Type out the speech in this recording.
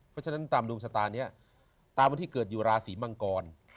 เพราะฉะนั้นตามดวงชะตานี้ตามวันที่เกิดอยู่ราศีมังกร